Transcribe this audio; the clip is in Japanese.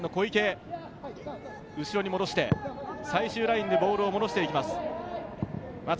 後ろに戻して、最終ラインへボールを戻していきます。